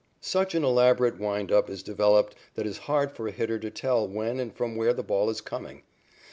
Such an elaborate wind up is developed that it is hard for a hitter to tell when and from where the ball is coming.